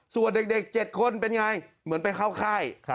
ส่วนเด็ก๗คนเป็นไงเหมือนไปเข้าค่าย